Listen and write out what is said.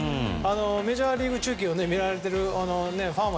メジャーリーグ中継を見られているファンは